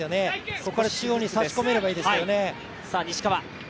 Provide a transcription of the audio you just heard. そこから中央に差し込めればいいですよね。